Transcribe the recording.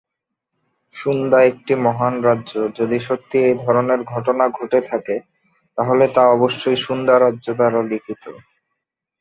সুন্দা একটি মহান রাজ্য, যদি সত্যিই এই ধরনের ঘটনা ঘটে থাকে, তাহলে তা অবশ্যই সুন্দা রাজ্য দ্বারা লিখিত।